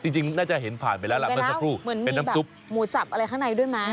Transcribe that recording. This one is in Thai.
จริงน่าจะเห็นผ่านไปแล้วละเป็นน้ำซุปเหมือนมีแบบหมูสับอะไรข้างในด้วยมั้ย